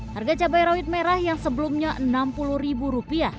harga cabai rawit merah yang sebelumnya rp enam puluh